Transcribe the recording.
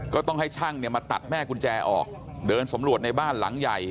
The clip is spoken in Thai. ก็ต้องให้ช่างเนี่ยมาตัดแม่กุญแจออกเดินสำรวจในบ้านหลังใหญ่